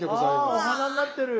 あお花になってる！